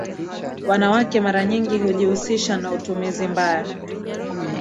Wanawake mara nyingi hujihusisha na utumizi mbaya